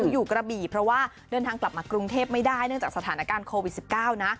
อยู่กระบี่เพราะว่าเดินทางกลับมากรุงเทพไม่ได้เนื่องจากสถานการณ์โควิด๑๙นะ